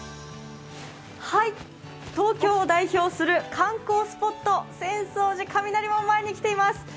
東京を代表する観光スポット、浅草寺、雷門前に来ております。